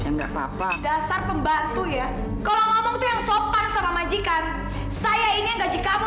nggak papa dasar pembantu ya kalau ngomong yang sopan sama majikan saya ini gaji kamu